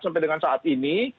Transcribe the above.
sampai dengan saat ini